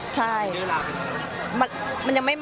ใช่